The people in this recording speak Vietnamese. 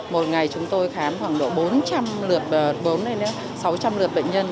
một ngày chúng tôi khám khoảng độ bốn trăm linh lượt bốn trăm linh này nữa sáu trăm linh lượt bệnh nhân